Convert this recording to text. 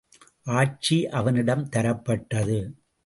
ஆட்சி அவனிடம் தரப்பட்டது.